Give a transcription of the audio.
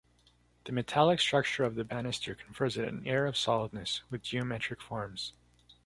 The metallic structure of the banister confers it an air of solidness, with geometric forms.